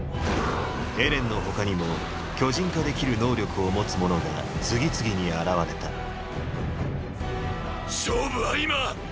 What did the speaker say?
エレンの他にも巨人化できる能力を持つ者が次々に現れた勝負は今！！